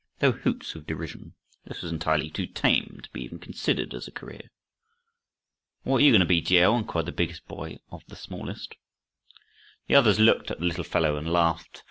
There were hoots of derision. This was entirely too tame to be even considered as a career. "And what are you going to be, G. L.?" inquired the biggest boy of the smallest. The others looked at the little fellow and laughed.